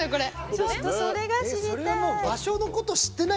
ちょっとそれが知りたい。